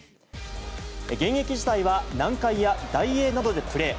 現役時代は南海やダイエーなどでプレー。